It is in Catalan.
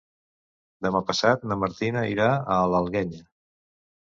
Demà passat na Martina irà a l'Alguenya.